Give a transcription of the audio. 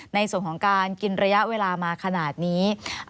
ในส่วนของการกินระยะเวลามาขนาดนี้